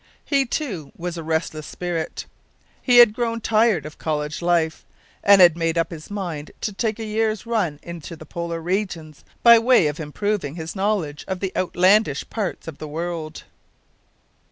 He, too, was a restless spirit. He had grown tired of college life, and had made up his mind to take a year's run into the Polar regions, by way of improving his knowledge of the "outlandish" parts of the world.